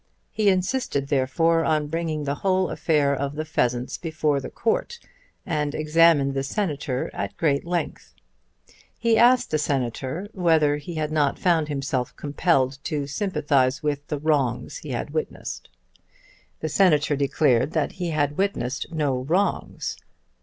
He insisted therefore on bringing the whole affair of the pheasants before the Court, and examined the Senator at great length. He asked the Senator whether he had not found himself compelled to sympathise with the wrongs he had witnessed. The Senator declared that he had witnessed no wrongs.